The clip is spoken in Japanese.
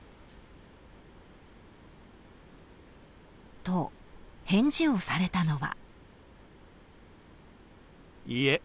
［と返事をされたのは］